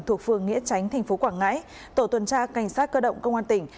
thuộc phường nghĩa chánh tp quảng ngãi tổ tuần tra cảnh sát cơ động công an tỉnh